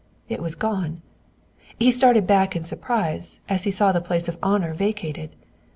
It was gone! He started back in surprise as he saw the place of honor vacated.